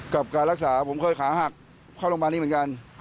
กับการรักษาผมเคยขาหักเข้าโรงพยาบาลนี้เหมือนกัน